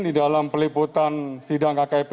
di dalam peliputan sidang kkip